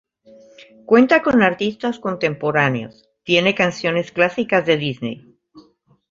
Cuenta con artistas contemporáneos "tiene canciones clásicas de Disney".